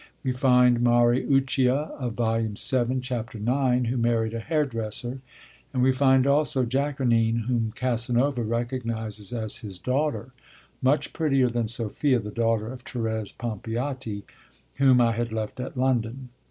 we find Mariuccia of Vol. VII., Chapter IX., who married a hairdresser; and we find also Jaconine, whom Casanova recognises as his daughter, 'much prettier than Sophia, the daughter of Thérèse Pompeati, whom I had left at London.'